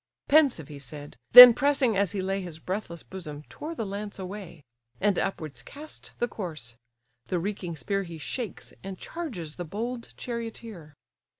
Pensive he said; then pressing as he lay His breathless bosom, tore the lance away; And upwards cast the corse: the reeking spear He shakes, and charges the bold charioteer.